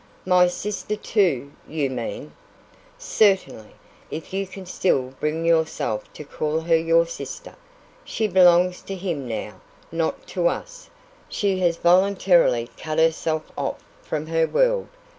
"My sister too, you mean?" "Certainly if you can still bring yourself to call her your sister. She belongs to him now, not to us. She has voluntarily cut herself off from her world.